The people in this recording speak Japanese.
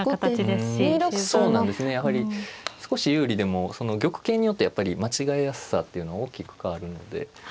そうなんですねやはり少し有利でも玉形によってやっぱり間違えやすさっていうの大きく変わるので。